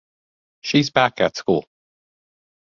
She's back at school.